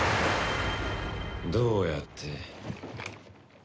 どうやって？